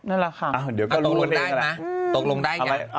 นั่นแหละค่ะตกลงได้กัน